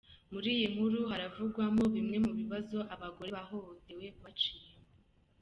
Muri iyo nkuru havurwamwo bimwe mu bibazo abagore bahootewe baciyemwo.